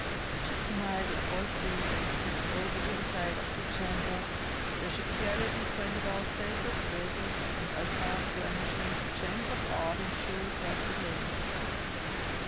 She smiled at all three, and stepped over to the side of the chamber, where she carelessly pointed out sacred vessels and altar furnishings, gems of art and jewel crusted lamps.